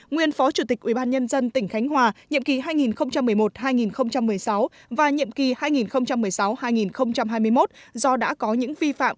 nguyên phó chủ tịch ubnd tỉnh khánh hòa nhiệm kỳ hai nghìn một mươi một hai nghìn một mươi sáu và nhiệm kỳ hai nghìn một mươi sáu hai nghìn hai mươi một do đã có những vi phạm